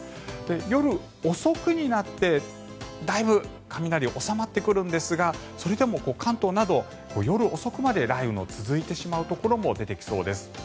夜遅くになってだいぶ雷、収まってくるんですがそれでも関東など夜遅くまで雷雨の続いてしまうところも出てきそうです。